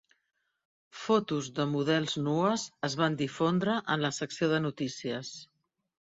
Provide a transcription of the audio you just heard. Fotos de models nues es van difondre en la secció de notícies.